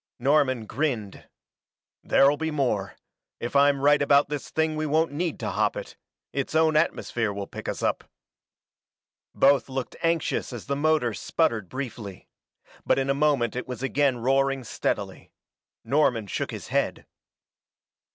Norman grinned. "There'll be more. If I'm right about this thing we won't need to hop it its own atmosphere will pick us up." Both looked anxious as the motor sputtered briefly. But in a moment it was again roaring steadily. Norman shook his head.